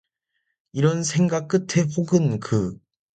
이런 생각 끝에 혹은 그